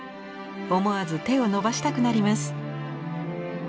思わず手を伸ばしたくなります。